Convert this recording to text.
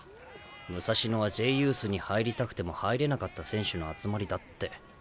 武蔵野はＪユースに入りたくても入れなかった選手の集まりだって。